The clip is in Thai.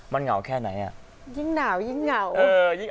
มันเหงาแค่ไหนอ่ะยิ่งหนาวยิ่งเหงา